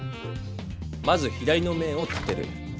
まず左の面を立てる。